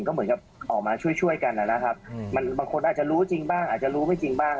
ก็เหมือนกับออกมาช่วยช่วยกันนะครับมันบางคนอาจจะรู้จริงบ้างอาจจะรู้ไม่จริงบ้าง